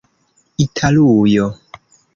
italujo